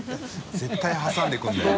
絶対挟んでくるんだよね。